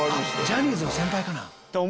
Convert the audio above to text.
ジャニーズの先輩かな？